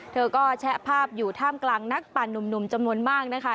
เธอก็แชะภาพอยู่ท่ามกลางนักปั่นหนุ่มจำนวนมากนะคะ